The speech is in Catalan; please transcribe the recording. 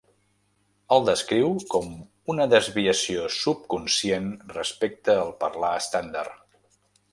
El descriu com una desviació subconscient respecte al parlar estàndard.